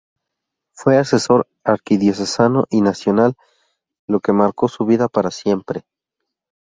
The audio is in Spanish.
Fue asesor arquidiocesano y nacional, lo que marcó su vida para siempre.